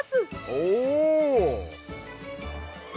おお！